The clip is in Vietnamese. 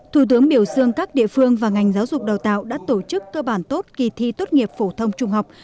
thủ tướng biểu dương các địa phương và ngành giáo dục đào tạo đã tổ chức cơ bản tốt kỳ thi tốt nghiệp phổ thông trung học